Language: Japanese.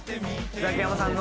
ザキヤマさんの。